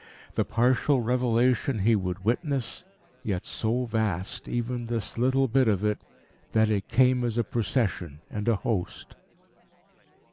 The partial revelation he would witness yet so vast, even this little bit of it, that it came as a Procession and a host.